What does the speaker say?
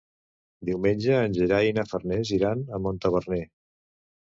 Diumenge en Gerai i na Farners iran a Montaverner.